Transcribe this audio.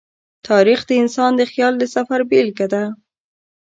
تاریخ د انسان د خیال د سفر بېلګه ده.